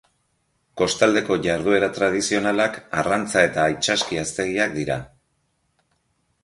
Kostaldeko jarduera tradizionalak arrantza eta itsaski-haztegiak dira.